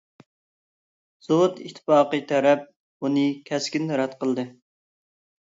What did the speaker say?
سوۋېت ئىتتىپاقى تەرەپ بۇنى كەسكىن رەت قىلدى.